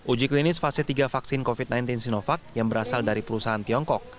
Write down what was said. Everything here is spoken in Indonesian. uji klinis fase tiga vaksin covid sembilan belas sinovac yang berasal dari perusahaan tiongkok